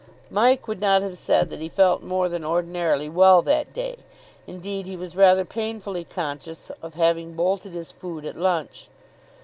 Mike would not have said that he felt more than ordinarily well that day. Indeed, he was rather painfully conscious of having bolted his food at lunch.